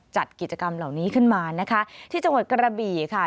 จัดกิจกรรมเหล่านี้ขึ้นมานะคะที่จังหวัดกระบี่ค่ะ